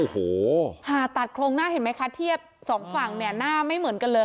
โอ้โหผ่าตัดโครงหน้าเห็นไหมคะเทียบสองฝั่งเนี่ยหน้าไม่เหมือนกันเลย